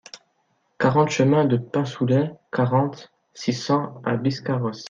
quarante chemin de Pinsoulet, quarante, six cents à Biscarrosse